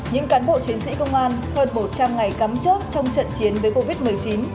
những cán bộ chiến sĩ công an hơn một trăm linh ngày cắm chốt trong trận chiến với covid một mươi chín